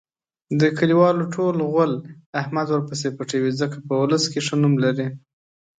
د کلیوالو ټول غول احمد ورپسې پټوي. ځکه په اولس کې ښه نوم لري.